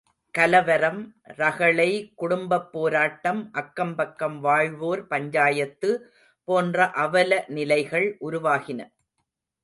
கலவரம், ரகளை, குடும்பப் போராட்டம், அக்கம் பக்கம் வாழ்வோர் பஞ்சாயத்து போன்ற அவல நிலைகள் உருவாகின.